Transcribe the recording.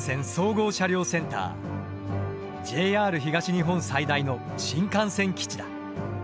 ＪＲ東日本最大の新幹線基地だ。